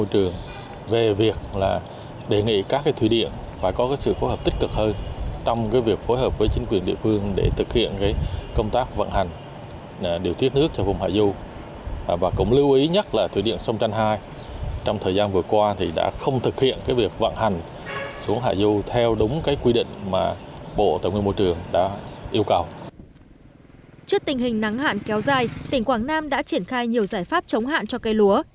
trước tình hình nắng hạn kéo dài tỉnh quảng nam đã triển khai nhiều giải pháp chống hạn cho cây lúa